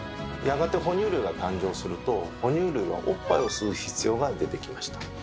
やがて哺乳類が誕生すると哺乳類はおっぱいを吸う必要が出てきました。